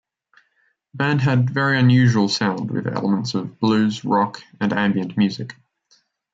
The band had very unusual sound with elements of blues, rock and ambient music.